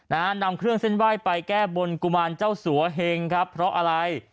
นำเครื่องเส้นไหว้ไปแก้บนกุมารเจ้าสัวเฮงครับเพราะอะไร